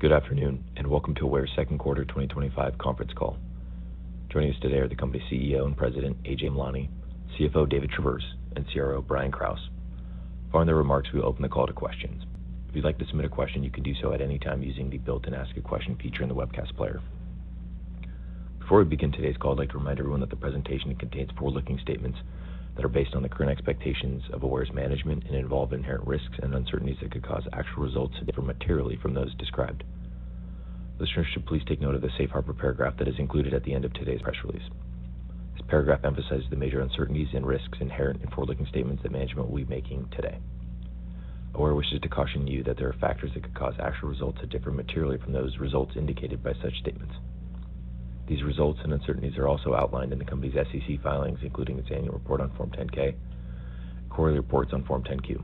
Good afternoon and welcome to Aware's second quarter 2025 conference call. Joining us today are the company CEO and President Ajay Amlani, CFO David Traverse, and Chief Revenue Officer Brian Krause. Following their remarks, we will open the call to questions. If you'd like to submit a question, you can do so at any time using the built-in Ask a Question feature in the webcast player. Before we begin today's call, I'd like to remind everyone that the presentation contains forward-looking statements that are based on the current expectations of Aware, Inc.'s management and involve inherent risks and uncertainties that could cause actual results to differ materially from those described. Listeners should please take note of the safe harbor paragraph that is included at the end of today's press release. This paragraph emphasizes the major uncertainties and risks inherent in forward-looking statements that management will be making today. Aware. wishes to caution you that there are factors that could cause actual results to differ materially from those results indicated by such statements. These results and uncertainties are also outlined in the company's SEC filings, including its annual report on Form 10-K and quarterly reports on Form 10-Q.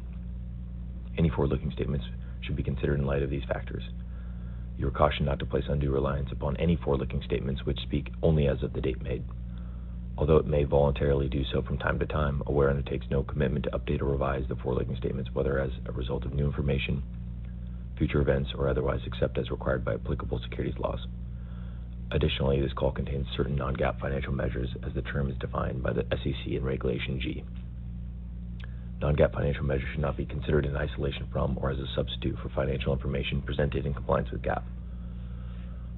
Any forward-looking statements should be considered in light of these factors. You are cautioned not to place undue reliance upon any forward-looking statements which speak only as of the date made. Although it may voluntarily do so from time to time, Aware undertakes no commitment to update or revise the forward-looking statements, whether as a result of new information, future events, or otherwise, except as required by applicable securities laws. Additionally, this call contains certain non-GAAP financial measures, as the term is defined by the SEC in Regulation G. Non-GAAP financial measures should not be considered in isolation from or as a substitute for financial information presented in compliance with GAAP.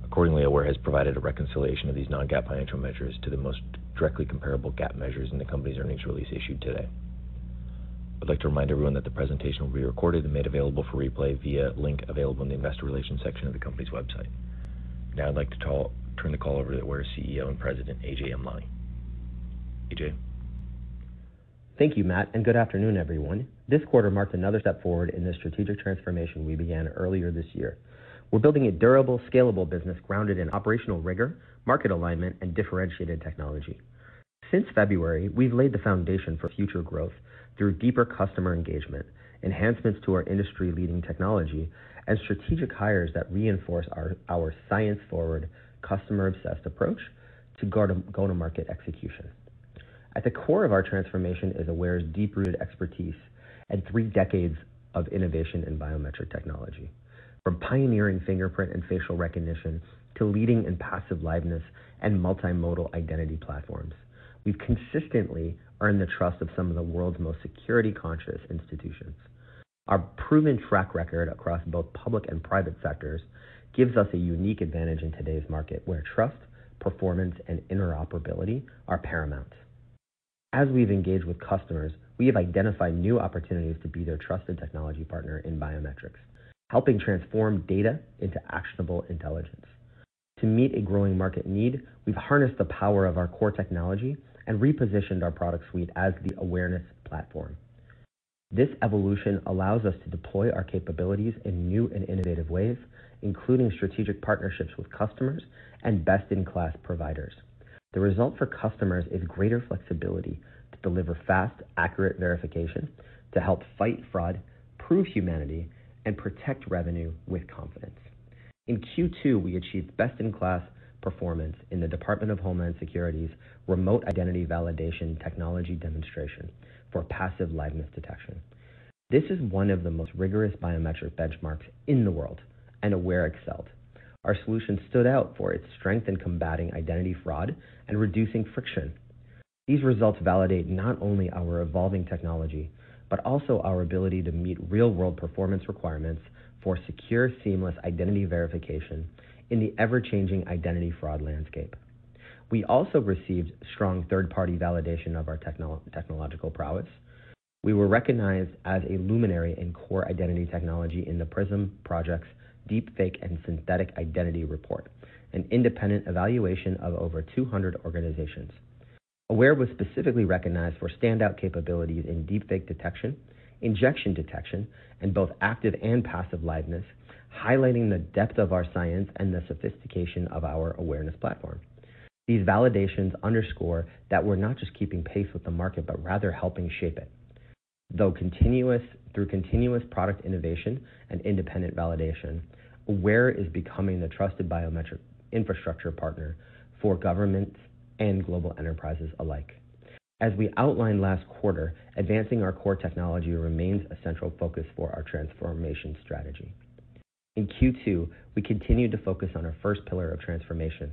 Accordingly, Aware, Inc has provided a reconciliation of these non-GAAP financial measures to the most directly comparable GAAP measures in the company's earnings release issued today. I'd like to remind everyone that the presentation will be recorded and made available for replay via link available in the Investor Relations section of the company's website. Now I'd like to turn the call over to Aware, Inc's CEO and President Ajay Amlani. Ajay? Thank you, Matt, and good afternoon, everyone. This quarter marked another step forward in the strategic transformation we began earlier this year. We're building a durable, scalable business grounded in operational rigor, market alignment, and differentiated technology. Since February, we've laid the foundation for future growth through deeper customer engagement, enhancements to our industry-leading technology, and strategic hires that reinforce our science-forward, customer-obsessed approach to go-to-market execution. At the core of our transformation is Aware's deep-rooted expertise and three decades of innovation in biometric technology. From pioneering fingerprint and facial recognition to leading in passive liveness and multimodal identity platforms, we've consistently earned the trust of some of the world's most security-conscious institutions. Our proven track record across both public and private sectors gives us a unique advantage in today's market where trust, performance, and interoperability are paramount. As we've engaged with customers, we have identified new opportunities to be their trusted technology partner in biometrics, helping transform data into actionable intelligence. To meet a growing market need, we've harnessed the power of our core technology and repositioned our product suite as the Awareness Platform. This evolution allows us to deploy our capabilities in new and innovative ways, including strategic partnerships with customers and best-in-class providers. The result for customers is greater flexibility to deliver fast, accurate verification to help fight fraud, prove humanity, and protect revenue with confidence. In Q2, we achieved best-in-class performance in the Department of Homeland Security's remote identity validation technology demonstration for passive liveness detection. This is one of the most rigorous biometric benchmarks in the world, and Aware excelled. Our solution stood out for its strength in combating identity fraud and reducing friction. These results validate not only our evolving technology but also our ability to meet real-world performance requirements for secure, seamless identity verification in the ever-changing identity fraud landscape. We also received strong third-party validation of our technological prowess. We were recognized as a luminary in core identity technology in the Prism Project's Deepfake and Synthetic Identity Report, an independent evaluation of over 200 organizations. Aware was specifically recognized for standout capabilities in deepfake detection, injection detection, and both active and passive liveness, highlighting the depth of our science and the sophistication of our Awareness Platform. These validations underscore that we're not just keeping pace with the market but rather helping shape it. Through continuous product innovation and independent validation. Aware is becoming the trusted biometric infrastructure partner for governments and global enterprises alike. As we outlined last quarter, advancing our core technology remains a central focus for our transformation strategy. In Q2, we continued to focus on our first pillar of transformation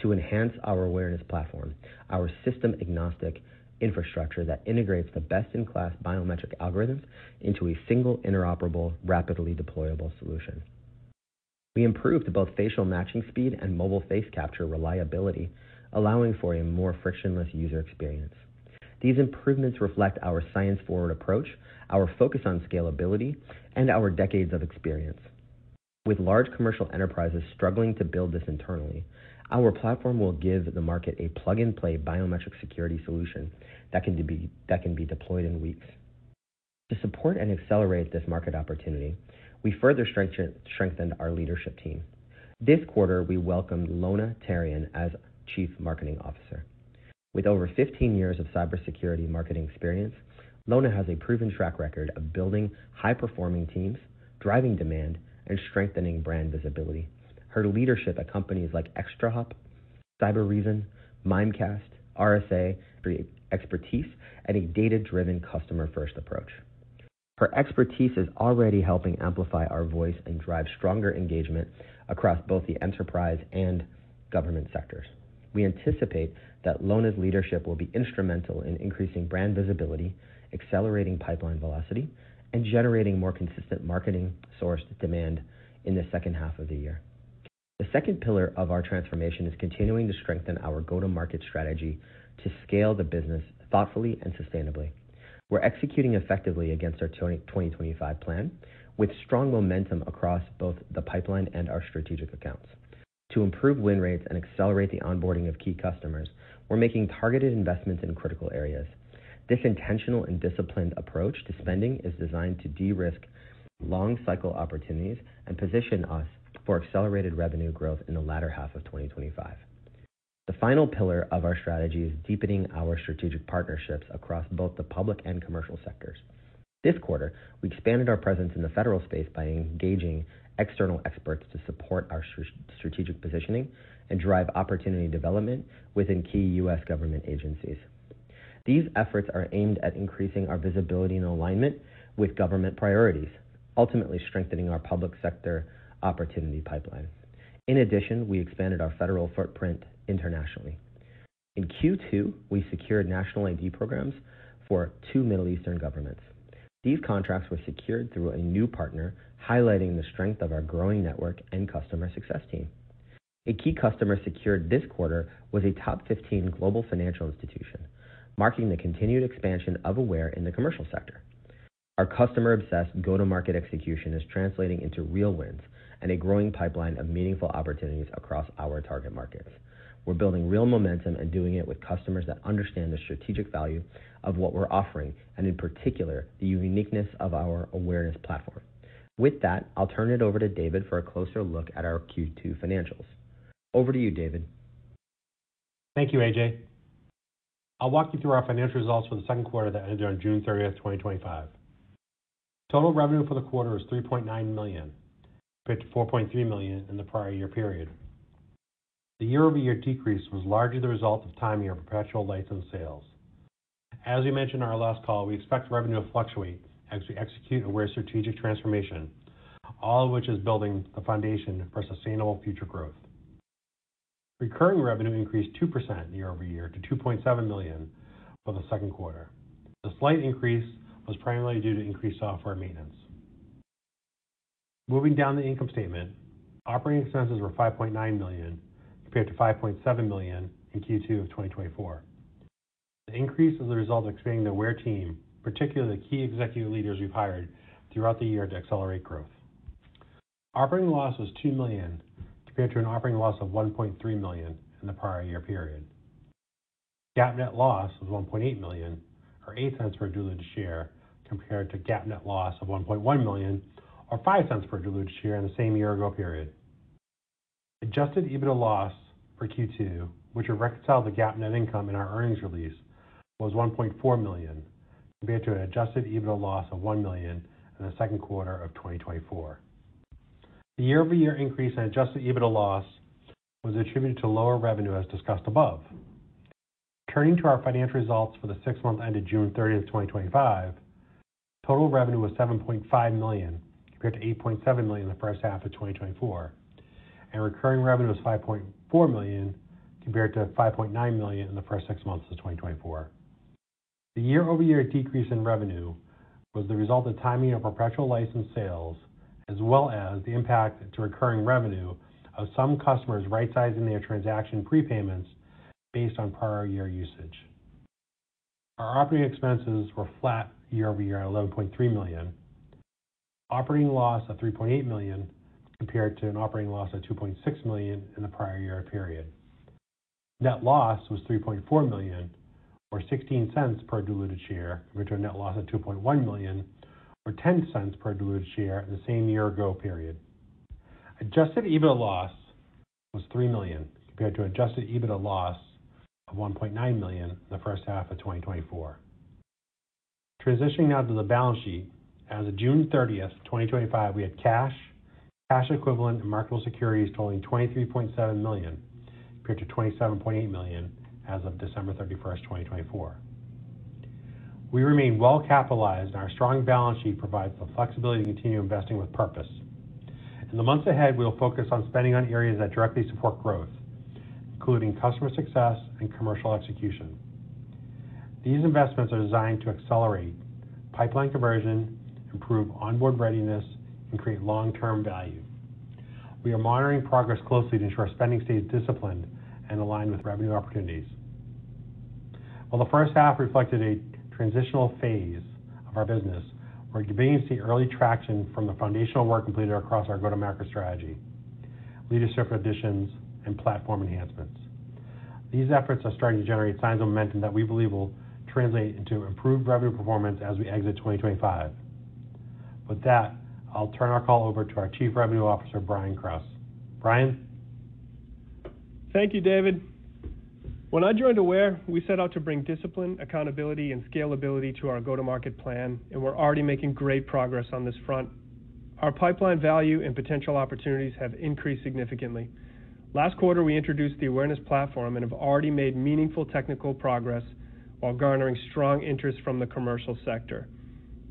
to enhance our Awareness Platform, our system-agnostic infrastructure that integrates the best-in-class biometric algorithms into a single, interoperable, rapidly deployable solution. We improved both facial matching speed and mobile face capture reliability, allowing for a more frictionless user experience. These improvements reflect our science-forward approach, our focus on scalability, and our decades of experience. With large commercial enterprises struggling to build this internally, our platform will give the market a plug-and-play biometric security solution that can be deployed in weeks. To support and accelerate this market opportunity, we further strengthened our leadership team. This quarter, we welcomed Lona Therrien as Chief Marketing Officer. With over 15 years of cybersecurity marketing experience, Lona has a proven track record of building high-performing teams, driving demand, and strengthening brand visibility. Her leadership at companies like ExtraHop, Cybereason, Mimecast, and RSA, and her expertise and a data-driven customer-first approach, are already helping amplify our voice and drive stronger engagement across both the enterprise and government sectors. We anticipate that Lona's leadership will be instrumental in increasing brand visibility, accelerating pipeline velocity, and generating more consistent marketing source demand in the second half of the year. The second pillar of our transformation is continuing to strengthen our go-to-market strategy to scale the business thoughtfully and sustainably. We're executing effectively against our 2025 plan, with strong momentum across both the pipeline and our strategic accounts. To improve win rates and accelerate the onboarding of key customers, we're making targeted investments in critical areas. This intentional and disciplined approach to spending is designed to de-risk long-cycle opportunities and position us for accelerated revenue growth in the latter half of 2025. The final pillar of our strategy is deepening our strategic partnerships across both the public and commercial sectors. This quarter, we expanded our presence in the federal space by engaging external experts to support our strategic positioning and drive opportunity development within key U.S. government agencies. These efforts are aimed at increasing our visibility and alignment with government priorities, ultimately strengthening our public sector opportunity pipeline. In addition, we expanded our federal footprint internationally. In Q2, we secured national ID programs for two Middle Eastern governments. These contracts were secured through a new partner, highlighting the strength of our growing network and customer success team. A key customer secured this quarter was a top 15 global financial institution, marking the continued expansion of Aware in the commercial sector. Our customer-obsessed go-to-market execution is translating into real wins and a growing pipeline of meaningful opportunities across our target markets. We're building real momentum and doing it with customers that understand the strategic value of what we're offering and, in particular, the uniqueness of our Awareness Platform. With that, I'll turn it over to David for a closer look at our Q2 financials. Over to you, David. Thank you, Ajay. I'll walk you through our financial results for the second quarter that ended on June 30, 2025. Total revenue for the quarter was $3.9 million, compared to $4.3 million in the prior year period. The year-over-year decrease was largely the result of timing of our perpetual license sales. As we mentioned in our last call, we expect revenue to fluctuate as we execute Aware's strategic transformation, all of which is building the foundation for sustainable future growth. Recurring revenue increased 2% year-over-year to $2.7 million for the second quarter. The slight increase was primarily due to increased software maintenance. Moving down the income statement, operating expenses were $5.9 million compared to $5.7 million in Q2 of 2024. The increase is the result of expanding the Aware team, particularly the key executive leaders we've hired throughout the year to accelerate growth. Operating loss was $2 million compared to an operating loss of $1.3 million in the prior year period. GAAP net loss was $1.8 million, or $0.08 per diluted share, compared to GAAP net loss of $1.1 million, or $0.05 per diluted share in the same year-ago period. Adjusted EBITDA loss for Q2, which we reconciled to GAAP net income in our earnings release, was $1.4 million compared to an adjusted EBITDA loss of $1 million in the second quarter of 2024. The year-over-year increase in adjusted EBITDA loss was attributed to lower revenue as discussed above. Turning to our financial results for the six months ended June 30, 2025, total revenue was $7.5 million compared to $8.7 million in the first half of 2024, and recurring revenue was $5.4 million compared to $5.9 million in the first six months of 2024. The year-over-year decrease in revenue was the result of timing of perpetual license sales, as well as the impact to recurring revenue of some customers right-sizing their transaction prepayments based on prior year usage. Our operating expenses were flat year-over-year at $11.3 million. Operating loss was $3.8 million compared to an operating loss of $2.6 million in the prior year period. Net loss was $3.4 million, or $0.16 per diluted share, compared to a net loss of $2.1 million, or $0.10 per diluted share in the same year-ago period, adjusted EBITDA loss was $3 million compared to an adjusted EBITDA loss of $1.9 million in the first half of 2024. Transitioning now to the balance sheet, as of June 30, 2025, we had cash, cash equivalents, and marketable securities totaling $23.7 million compared to $27.8 million as of December 31, 2024. We remain well-capitalized, and our strong balance sheet provides the flexibility to continue investing with purpose. In the months ahead, we will focus on spending on areas that directly support growth, including customer success and commercial execution. These investments are designed to accelerate pipeline conversion, improve onboarding readiness, and create long-term value. We are monitoring progress closely to ensure spending stays disciplined and aligned with revenue opportunities. While the first half reflected a transitional phase of our business, we're beginning to see early traction from the foundational work completed across our go-to-market strategy, leadership additions, and platform enhancements. These efforts are starting to generate signs of momentum that we believe will translate into improved revenue performance as we exit 2025. With that, I'll turn our call over to our Chief Revenue Officer, Brian Krause. Brian. Thank you, David. When I joined Aware, we set out to bring discipline, accountability, and scalability to our go-to-market plan, and we're already making great progress on this front. Our pipeline value and potential opportunities have increased significantly. Last quarter, we introduced the Awareness Platform and have already made meaningful technical progress while garnering strong interest from the commercial sector.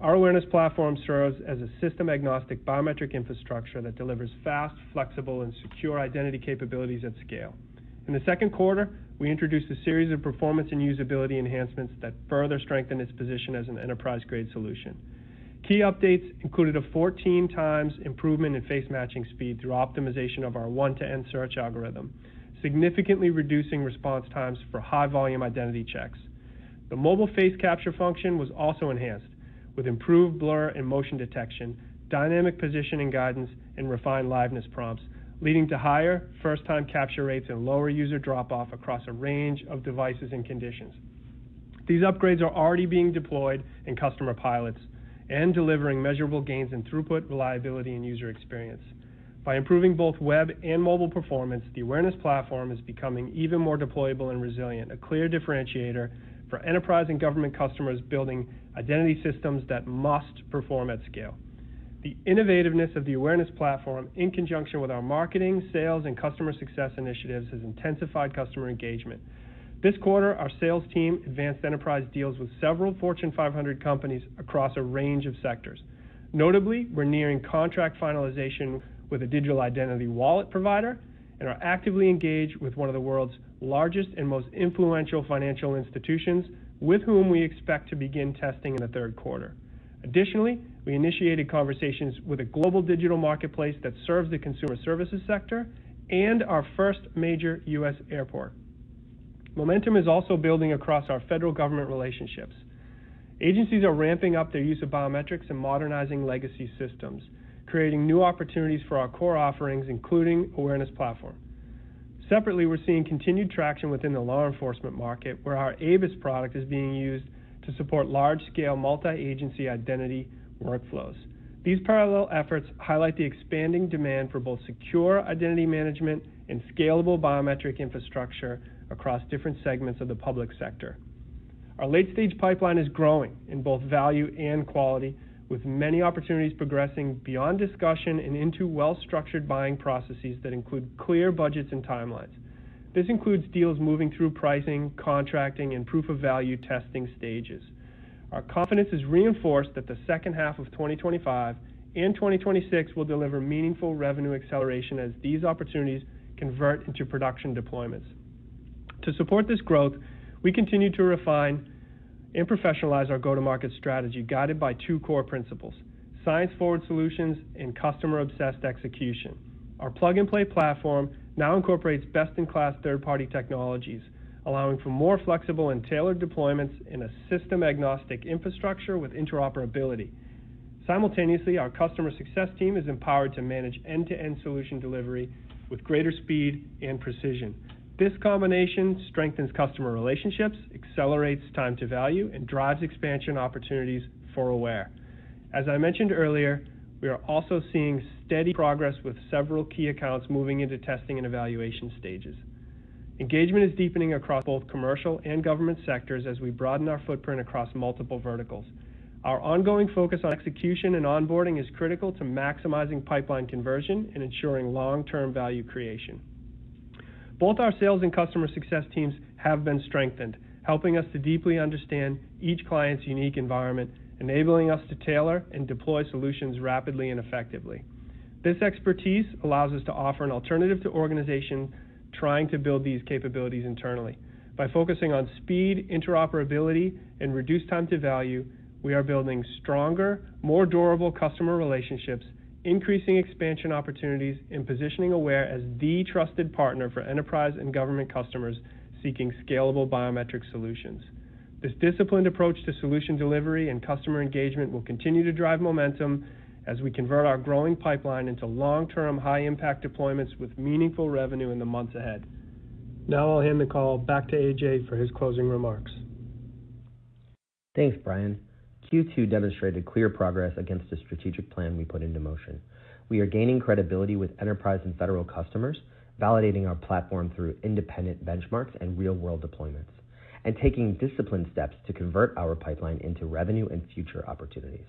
Our Awareness Platform serves as a system-agnostic biometric infrastructure that delivers fast, flexible, and secure identity capabilities at scale. In the second quarter, we introduced a series of performance and usability enhancements that further strengthen its position as an enterprise-grade solution. Key updates included a 14x improvement in face matching speed through optimization of our one-to-end search algorithm, significantly reducing response times for high-volume identity checks. The mobile face capture function was also enhanced, with improved blur and motion detection, dynamic positioning guidance, and refined liveness prompts, leading to higher first-time capture rates and lower user drop-off across a range of devices and conditions. These upgrades are already being deployed in customer pilots and delivering measurable gains in throughput, reliability, and user experience. By improving both web and mobile performance, the Awareness Platform is becoming even more deployable and resilient, a clear differentiator for enterprise and government customers building identity systems that must perform at scale. The innovativeness of the Awareness Platform, in conjunction with our marketing, sales, and customer success initiatives, has intensified customer engagement. This quarter, our sales team advanced enterprise deals with several Fortune 500 companies across a range of sectors. Notably, we're nearing contract finalization with a digital identity wallet provider and are actively engaged with one of the world's largest and most influential financial institutions, with whom we expect to begin testing in the third quarter. Additionally, we initiated conversations with a global digital marketplace that serves the consumer services sector and our first major U.S. airport. Momentum is also building across our federal government relationships. Agencies are ramping up their use of biometrics and modernizing legacy systems, creating new opportunities for our core offerings, including the Awareness Platform. Separately, we're seeing continued traction within the law enforcement market, where our ABIS product is being used to support large-scale multi-agency identity workflows. These parallel efforts highlight the expanding demand for both secure identity management and scalable biometric infrastructure across different segments of the public sector. Our late-stage pipeline is growing in both value and quality, with many opportunities progressing beyond discussion and into well-structured buying processes that include clear budgets and timelines. This includes deals moving through pricing, contracting, and proof-of-value testing stages. Our confidence is reinforced that the second half of 2025 and 2026 will deliver meaningful revenue acceleration as these opportunities convert into production deployments. To support this growth, we continue to refine and professionalize our go-to-market strategy, guided by two core principles: science-forward solutions and customer-obsessed execution. Our plug-and-play platform now incorporates best-in-class third-party technologies, allowing for more flexible and tailored deployments in a system-agnostic infrastructure with interoperability. Simultaneously, our customer success team is empowered to manage end-to-end solution delivery with greater speed and precision. This combination strengthens customer relationships, accelerates time to value, and drives expansion opportunities for Aware. As I mentioned earlier, we are also seeing steady progress with several key accounts moving into testing and evaluation stages. Engagement is deepening across both commercial and government sectors as we broaden our footprint across multiple verticals. Our ongoing focus on execution and onboarding is critical to maximizing pipeline conversion and ensuring long-term value creation. Both our sales and customer success teams have been strengthened, helping us to deeply understand each client's unique environment, enabling us to tailor and deploy solutions rapidly and effectively. This expertise allows us to offer an alternative to organizations trying to build these capabilities internally. By focusing on speed, interoperability, and reduced time to value, we are building stronger, more durable customer relationships, increasing expansion opportunities, and positioning Aware as the trusted partner for enterprise and government customers seeking scalable biometric solutions. This disciplined approach to solution delivery and customer engagement will continue to drive momentum as we convert our growing pipeline into long-term, high-impact deployments with meaningful revenue in the months ahead. Now I'll hand the call back to Ajay for his closing remarks. Thanks, Brian. Q2 demonstrated clear progress against the strategic plan we put into motion. We are gaining credibility with enterprise and federal customers, validating our platform through independent benchmarks and real-world deployments, and taking disciplined steps to convert our pipeline into revenue and future opportunities.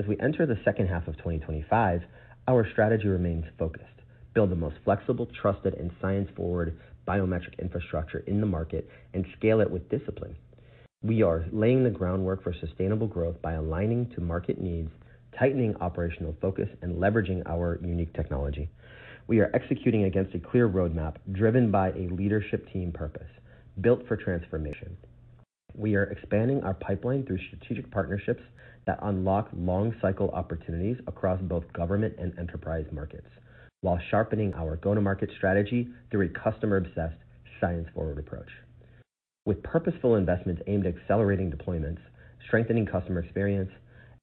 As we enter the second half of 2025, our strategy remains focused: build the most flexible, trusted, and science-forward biometric infrastructure in the market and scale it with discipline. We are laying the groundwork for sustainable growth by aligning to market needs, tightening operational focus, and leveraging our unique technology. We are executing against a clear roadmap driven by a leadership team purpose, built for transformation. We are expanding our pipeline through strategic partnerships that unlock long-cycle opportunities across both government and enterprise markets, while sharpening our go-to-market strategy through a customer-obsessed, science-forward approach. With purposeful investments aimed at accelerating deployments, strengthening customer experience,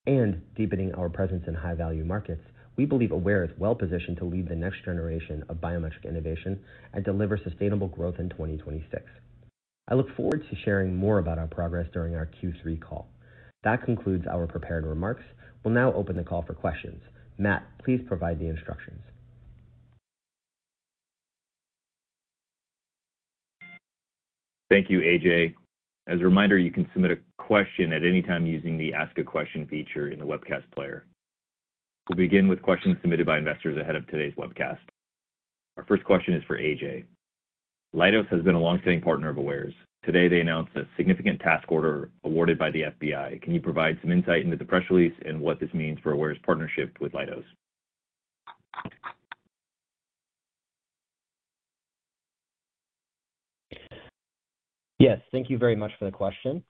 and deepening our presence in high-value markets, we believe Aware is well-positioned to lead the next generation of biometric innovation and deliver sustainable growth in 2026. I look forward to sharing more about our progress during our Q3 call. That concludes our prepared remarks. We'll now open the call for questions. Matt, please provide the instructions. Thank you, Ajay. As a reminder, you can submit a question at any time using the Ask a Question feature in the webcast player. We'll begin with questions submitted by investors ahead of today's webcast. Our first question is for Ajay. Leidos has been a longstanding partner of Aware's. Today, they announced a significant task order awarded by the FBI. Can you provide some insight into the press release and what this means for Aware's partnership with Leidos? Yes, thank you very much for the question.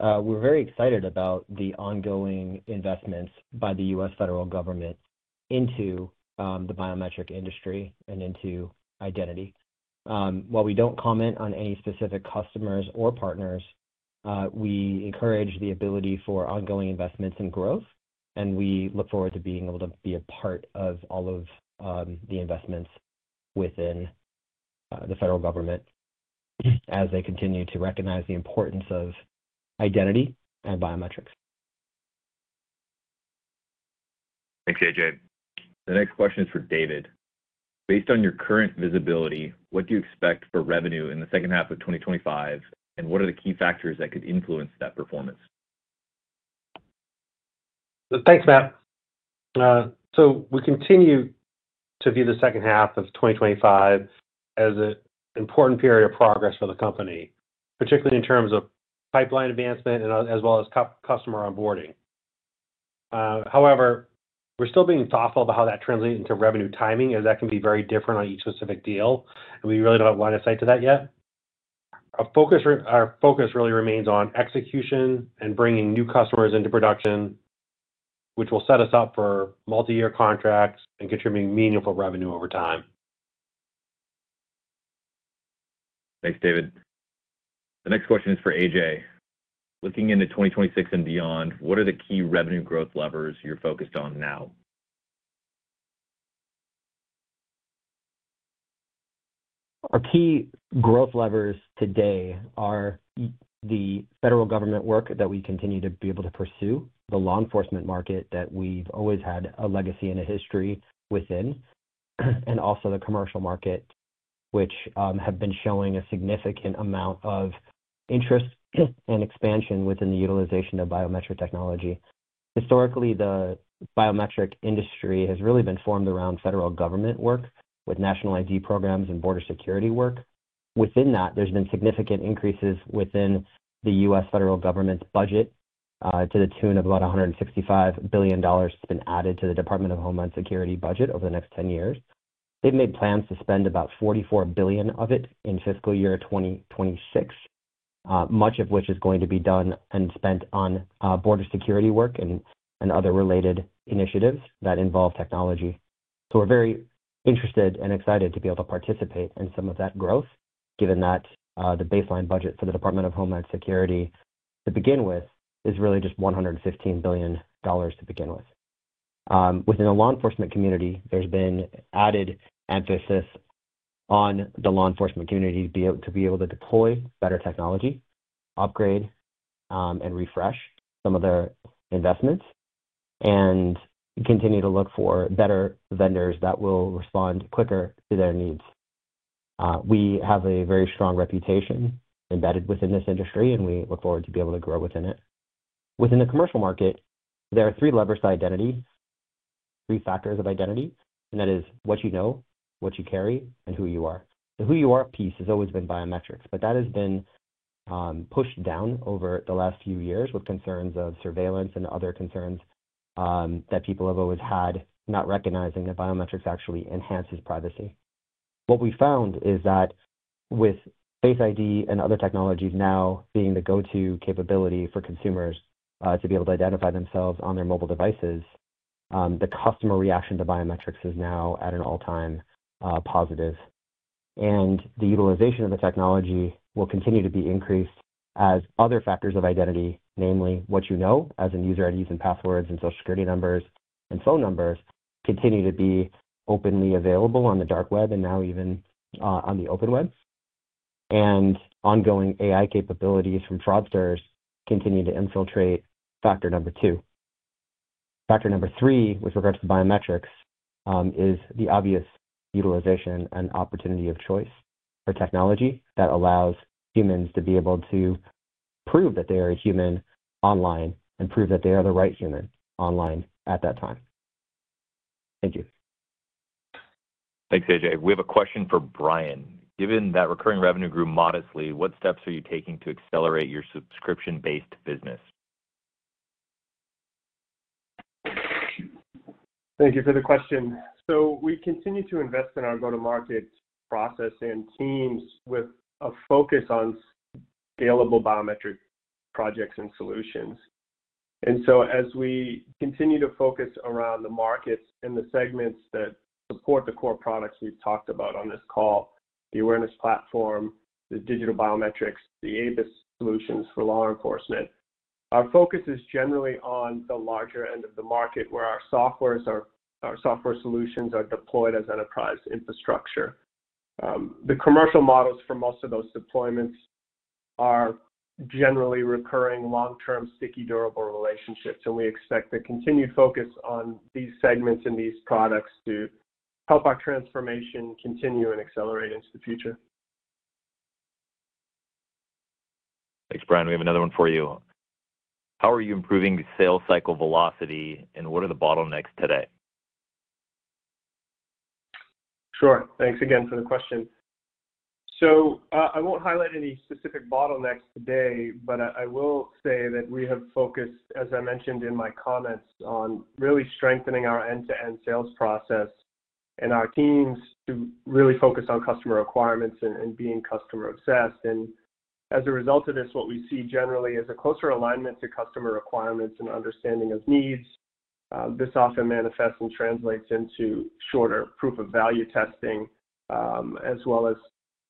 We're very excited about the ongoing investments by the U.S. federal government into the biometric industry and into identity. While we don't comment on any specific customers or partners, we encourage the ability for ongoing investments and growth, and we look forward to being able to be a part of all of the investments within the federal government as they continue to recognize the importance of identity and biometrics. Thanks, Ajay. The next question is for David. Based on your current visibility, what do you expect for revenue in the second half of 2025, and what are the key factors that could influence that performance? Thank you, Matt. We continue to view the second half of 2025 as an important period of progress for the company, particularly in terms of pipeline advancement as well as customer onboarding. However, we're still being thoughtful about how that translates into revenue timing, as that can be very different on each specific deal, and we really don't have line of sight to that yet. Our focus really remains on execution and bringing new customers into production, which will set us up for multi-year contracts and contributing meaningful revenue over time. Thanks, David. The next question is for Ajay. Looking into 2026 and beyond, what are the key revenue growth levers you're focused on now? Our key growth levers today are the federal government work that we continue to be able to pursue, the law enforcement market that we've always had a legacy and a history within, and also the commercial market, which have been showing a significant amount of interest and expansion within the utilization of biometric technology. Historically, the biometric industry has really been formed around federal government work with national ID programs and border security work. Within that, there's been significant increases within the U.S. federal government's budget to the tune of about $165 billion that's been added to the Department of Homeland Security budget over the next 10 years. They've made plans to spend about $44 billion of it in fiscal year 2026, much of which is going to be done and spent on border security work and other related initiatives that involve technology. We are very interested and excited to be able to participate in some of that growth, given that the baseline budget for the Department of Homeland Security, to begin with, is really just $115 billion to begin with. Within the law enforcement community, there's been added emphasis on the law enforcement community to be able to deploy better technology, upgrade, and refresh some of their investments, and continue to look for better vendors that will respond quicker to their needs. We have a very strong reputation embedded within this industry, and we look forward to be able to grow within it. Within the commercial market, there are three levers to identity, three factors of identity, and that is what you know, what you carry, and who you are. The who you are piece has always been biometrics, but that has been pushed down over the last few years with concerns of surveillance and other concerns that people have always had, not recognizing that biometrics actually enhance privacy. What we found is that with Face ID and other technologies now being the go-to capability for consumers to be able to identify themselves on their mobile devices, the customer reaction to biometrics is now at an all-time positive, and the utilization of the technology will continue to be increased as other factors of identity, namely what you know, as in user IDs and passwords and social security numbers and phone numbers, continue to be openly available on the dark web and now even on the open web. Ongoing AI capabilities from fraudsters continue to infiltrate factor number two. Factor number three, with regard to the biometrics, is the obvious utilization and opportunity of choice for technology that allows humans to be able to prove that they are a human online and prove that they are the right human online at that time. Thank you. Thanks, Ajay. We have a question for Brian. Given that recurring revenue grew modestly, what steps are you taking to accelerate your subscription-based business? Thank you for the question. We continue to invest in our go-to-market process and teams with a focus on scalable biometric projects and solutions. As we continue to focus around the markets and the segments that support the core products we've talked about on this call, the Awareness Platform, the digital biometrics, the ABIS solutions for law enforcement, our focus is generally on the larger end of the market where our software solutions are deployed as enterprise infrastructure. The commercial models for most of those deployments are generally recurring, long-term, sticky, durable relationships, and we expect the continued focus on these segments and these products to help our transformation continue and accelerate into the future. Thanks, Brian. We have another one for you. How are you improving the sales cycle velocity, and what are the bottlenecks today? Sure. Thanks again for the question. I won't highlight any specific bottlenecks today, but I will say that we have focused, as I mentioned in my comments, on really strengthening our end-to-end sales process and our teams to really focus on customer requirements and being customer-obsessed. As a result of this, what we see generally is a closer alignment to customer requirements and understanding of needs. This often manifests and translates into shorter proof-of-value testing, as well as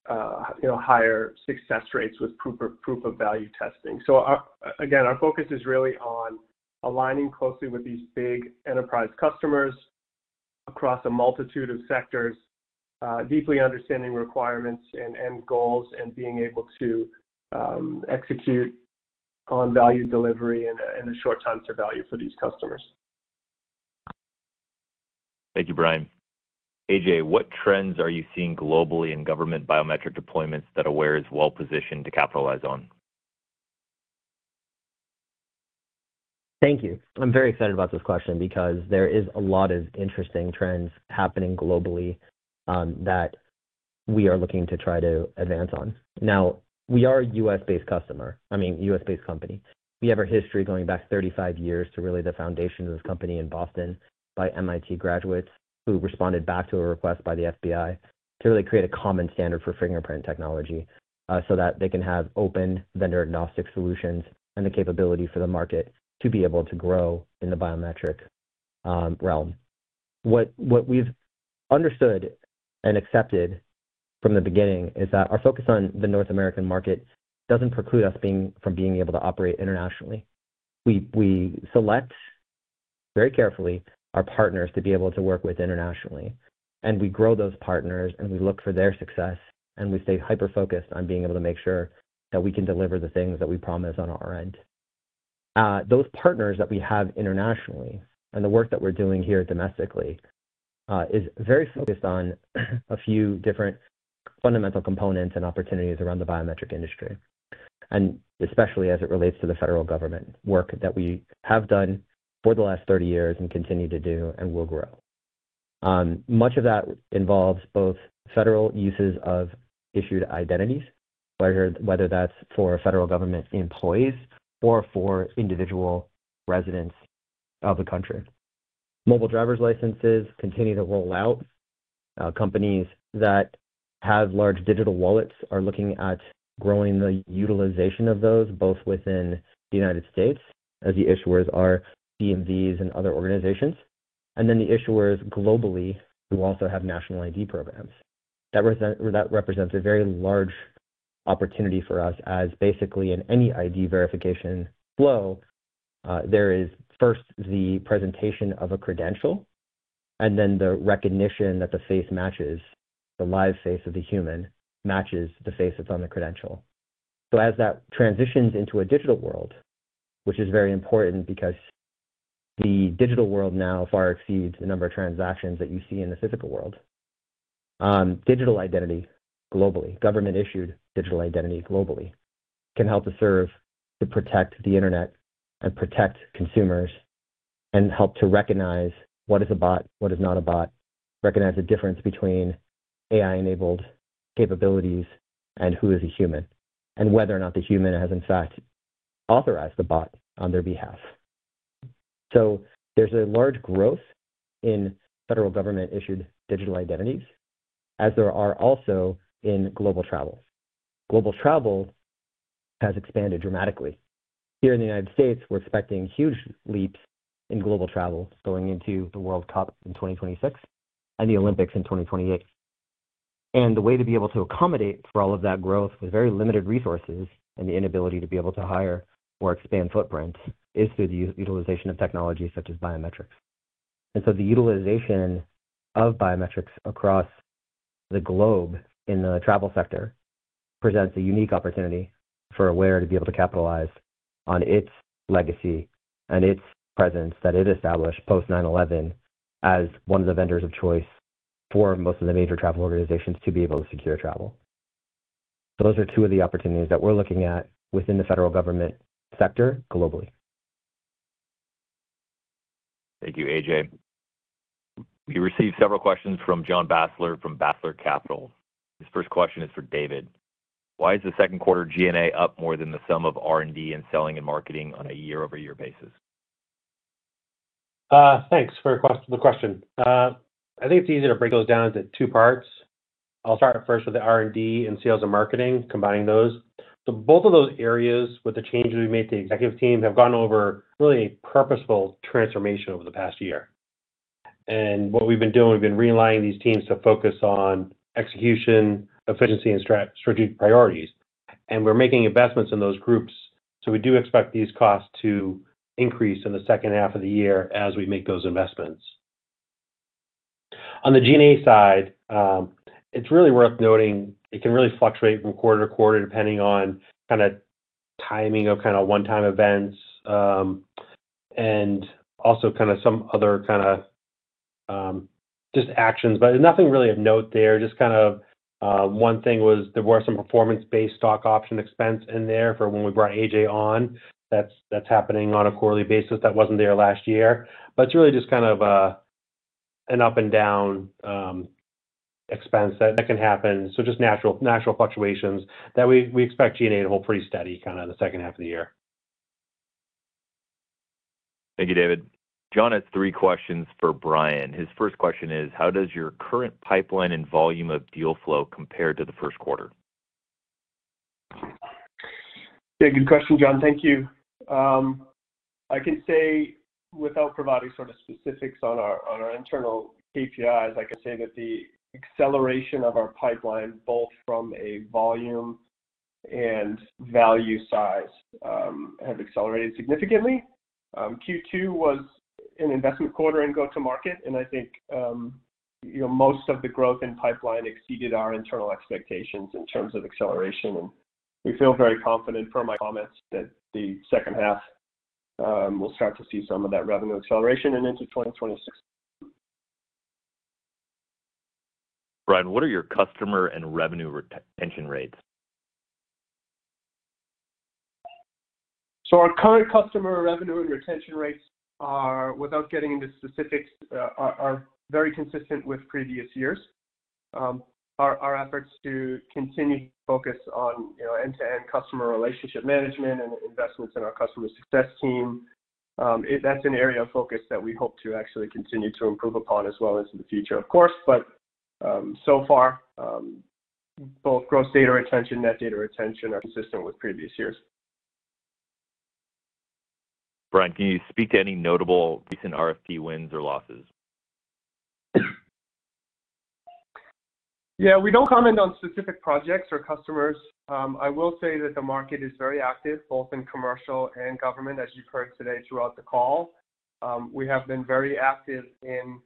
higher success rates with proof-of-value testing. Our focus is really on aligning closely with these big enterprise customers across a multitude of sectors, deeply understanding requirements and goals, and being able to execute on value delivery and the short term to value for these customers. Thank you, Brian. Ajay, what trends are you seeing globally in government biometric deployments that Aware is well-positioned to capitalize on? Thank you. I'm very excited about this question because there are a lot of interesting trends happening globally that we are looking to try to advance on. Now, we are a U.S.-based company. We have a history going back 35 years to really the foundations of this company in Boston by MIT graduates who responded back to a request by the FBI to really create a common standard for fingerprint technology so that they can have open vendor-agnostic solutions and the capability for the market to be able to grow in the biometric realm. What we've understood and accepted from the beginning is that our focus on the North American market doesn't preclude us from being able to operate internationally. We select very carefully our partners to be able to work with internationally, and we grow those partners, and we look for their success, and we stay hyper-focused on being able to make sure that we can deliver the things that we promise on our end. Those partners that we have internationally and the work that we're doing here domestically is very focused on a few different fundamental components and opportunities around the biometric industry, and especially as it relates to the federal government work that we have done for the last 30 years and continue to do and will grow. Much of that involves both federal uses of issued identities, whether that's for federal government employees or for individual residents of the country. Mobile driver's licenses continue to roll out. Companies that have large digital wallets are looking at growing the utilization of those, both within the United States, as the issuers are DMVs and other organizations, and then the issuers globally who also have national ID programs. That represents a very large opportunity for us as basically in any ID verification flow, there is first the presentation of a credential and then the recognition that the face matches, the live face of the human matches the face that's on the credential. As that transitions into a digital world, which is very important because the digital world now far exceeds the number of transactions that you see in the physical world, digital identity globally, government-issued digital identity globally, can help to serve to protect the internet and protect consumers and help to recognize what is a bot, what is not a bot, recognize the difference between AI-enabled capabilities and who is a human, and whether or not the human has, in fact, authorized the bot on their behalf. There's a large growth in federal government-issued digital identities, as there are also in global travel. Global travel has expanded dramatically. Here in the United States, we're expecting huge leaps in global travel, going into the World Cup in 2026 and the Olympics in 2028. The way to be able to accommodate for all of that growth with very limited resources and the inability to be able to hire or expand footprints is through the utilization of technology such as biometrics. The utilization of biometrics across the globe in the travel sector presents a unique opportunity for Aware to be able to capitalize on its legacy and its presence that it established post-9/11 as one of the vendors of choice for most of the major travel organizations to be able to secure travel. Those are two of the opportunities that we're looking at within the federal government sector globally. Thank you, Ajay. We received several questions from John Basler from Basler Capital. His first question is for David. Why is the second quarter G&A up more than the sum of R&D and selling and marketing on a year-over-year basis? Thanks for the question. I think it's easier to break those down into two parts. I'll start first with the R&D and sales and marketing, combining those. Both of those areas, with the changes we made to the executive teams, have gone over really a purposeful transformation over the past year. What we've been doing, we've been relying on these teams to focus on execution, efficiency, and strategic priorities. We're making investments in those groups. We do expect these costs to increase in the second half of the year as we make those investments. On the G&A side, it's really worth noting it can really fluctuate from quarter to quarter depending on timing of one-time events and also some other just actions. There's nothing really of note there. One thing was there were some performance-based stock option expense in there for when we brought Ajay on. That's happening on a quarterly basis that wasn't there last year. It's really just an up and down expense that can happen. Just natural fluctuations that we expect G&A to hold pretty steady the second half of the year. Thank you, David. John has three questions for Brian. His first question is, how does your current pipeline and volume of deal flow compare to the first quarter? Yeah, good question, John. Thank you. I can say without providing specifics on our internal KPIs, I could say that the acceleration of our pipeline, both from a volume and value size, has accelerated significantly. Q2 was an investment quarter in go-to-market, and I think most of the growth in pipeline exceeded our internal expectations in terms of acceleration. We feel very confident from my comments that the second half will start to see some of that revenue acceleration and into 2026. Brian, what are your customer and revenue retention rates? Our current customer revenue and retention rates are, without getting into specifics, very consistent with previous years. Our efforts to continue to focus on end-to-end customer relationship management and investments in our customer success team, that's an area of focus that we hope to actually continue to improve upon as well as in the future, of course. So far, both gross data retention and net data retention are consistent with previous years. Brian, can you speak to any notable recent RFP wins or losses? Yeah, we don't comment on specific projects or customers. I will say that the market is very active, both in commercial and government, as you've heard today throughout the call. We have been very active in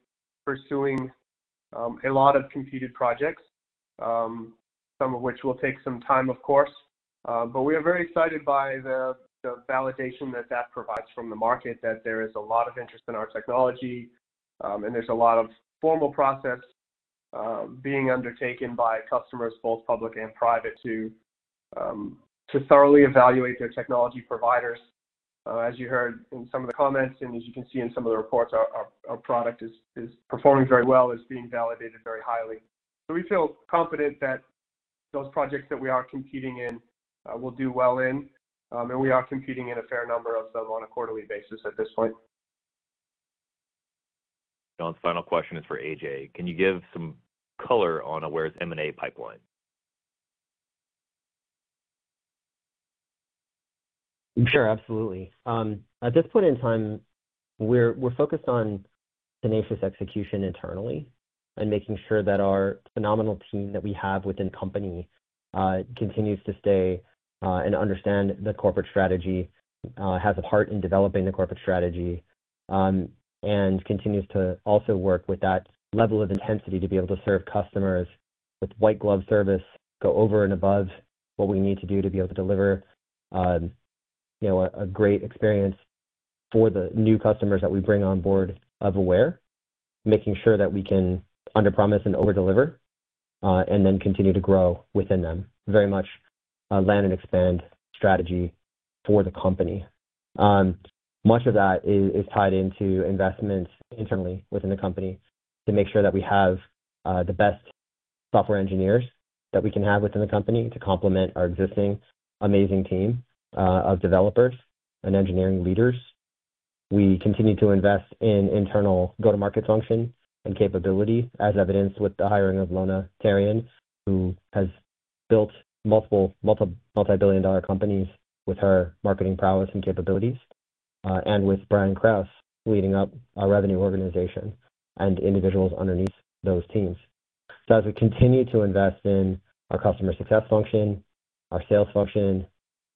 pursuing a lot of competed projects, some of which will take some time, of course. We are very excited by the validation that that provides from the market, that there is a lot of interest in our technology, and there's a lot of formal process being undertaken by customers, both public and private, to thoroughly evaluate their technology providers. As you heard in some of the comments and as you can see in some of the reports, our product is performing very well, is being validated very highly. We feel confident that those projects that we are competing in will do well in, and we are competing in a fair number of them on a quarterly basis at this point. John's final question is for Ajay. Can you give some color on Aware's M&A pipeline? Sure, absolutely. At this point in time, we're focused on tenacious execution internally and making sure that our phenomenal team that we have within the company continues to stay and understand the corporate strategy, has a heart in developing the corporate strategy, and continues to also work with that level of intensity to be able to serve customers with white-glove service, go over and above what we need to do to be able to deliver a great experience for the new customers that we bring on board of Aware, making sure that we can under-promise and over-deliver and then continue to grow within them. Very much a land and expand strategy for the company. Much of that is tied into investments internally within the company to make sure that we have the best software engineers that we can have within the company to complement our existing amazing team of developers and engineering leaders. We continue to invest in internal go-to-market function and capability, as evidenced with the hiring Lona Therrien, who has built multiple multi-billion dollar companies with her marketing prowess and capabilities, and with Brian Krause leading up our revenue organization and individuals underneath those teams. As we continue to invest in our customer success function, our sales function,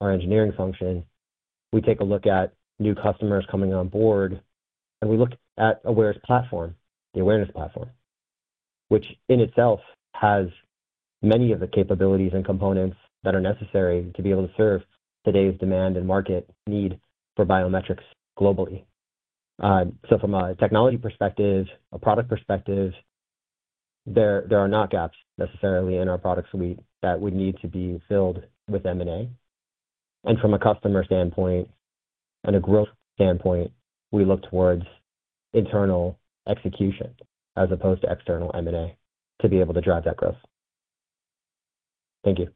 our engineering function, we take a look at new customers coming on board, and we look at Aware's platform, the Awareness Platform, which in itself has many of the capabilities and components that are necessary to be able to serve today's demand and market need for biometrics globally. From a technology perspective, a product perspective, there are not gaps necessarily in our product suite that would need to be filled with M&A. From a customer standpoint and a growth standpoint, we look towards internal execution as opposed to external M&A to be able to drive that growth. Thank you.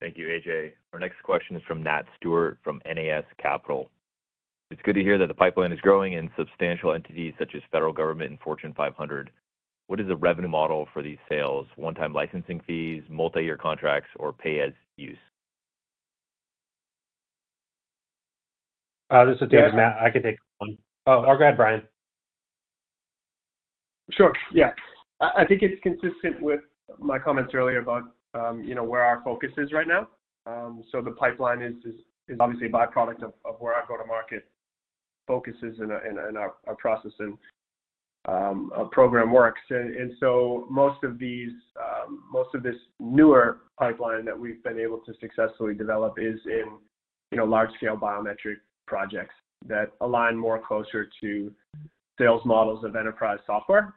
Thank you, Ajay. Our next question is from Nat Stewart from NAS Capital. It's good to hear that the pipeline is growing in substantial entities such as federal government and Fortune 500. What is the revenue model for these sales? One-time licensing fees, multi-year contracts, or pay-as-use? Sure. I think it's consistent with my comments earlier about where our focus is right now. The pipeline is obviously a byproduct of where our go-to-market focus is and our process and our program works. Most of this newer pipeline that we've been able to successfully develop is in large-scale biometric projects that align more closely to sales models of enterprise software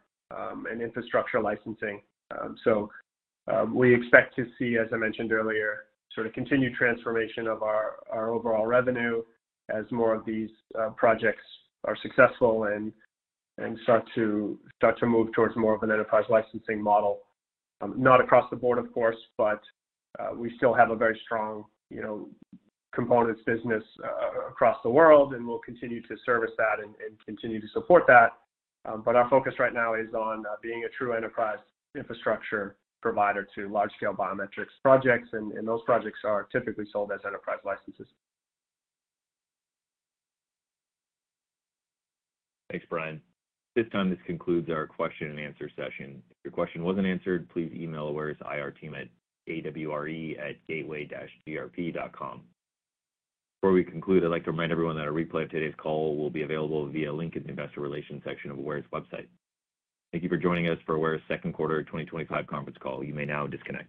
and infrastructure licensing. We expect to see, as I mentioned earlier, continued transformation of our overall revenue as more of these projects are successful and start to move towards more of an enterprise licensing model. Not across the board, of course, but we still have a very strong component business across the world, and we'll continue to service that and continue to support that. Our focus right now is on being a true enterprise infrastructure provider to large-scale biometrics projects, and those projects are typically sold as enterprise licenses. Thanks, Brian. At this time, this concludes our question and answer session. If your question wasn't answered, please email Aware's IR team at awre@gateway-brp.com. Before we conclude, I'd like to remind everyone that a replay of today's call will be available via the LinkedIn Investor Relations section of Aware's website. Thank you for joining us for Aware's second quarter 2025 conference call. You may now disconnect.